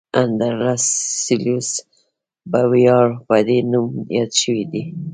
اندرلس سلسیوس په ویاړ په دې نوم یاد شوی دی.